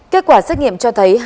kết quả xét nghiệm cho thấy